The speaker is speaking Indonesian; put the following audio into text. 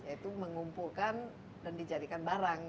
yaitu mengumpulkan dan dijadikan barang